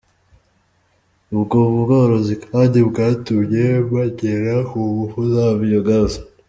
Ubwo bworozi kandi bwatumye bagera ku ngufu za biyogazi.